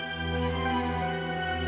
apakah yang fade